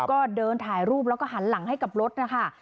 ก็เดินถ่ายรูปแล้วก็หันหลังให้กับรถนะคะ